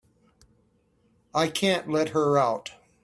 I can't let her out.